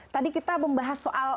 tadi kita membahas soal